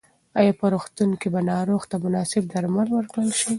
ایا په روغتون کې به ناروغ ته مناسب درمل ورکړل شي؟